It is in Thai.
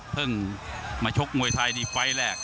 เพิ่งมาชกมวยไทที่ไฟล์แรก